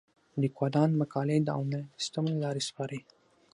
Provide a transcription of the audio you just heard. لیکوالان مقالې د انلاین سیستم له لارې سپاري.